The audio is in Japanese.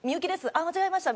あっ間違えました。